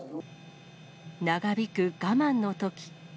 長引く我慢の時。